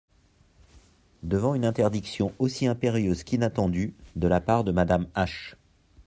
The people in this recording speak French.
Devant une interdiction aussi impérieuse qu'inattendue, de la part de Madame H.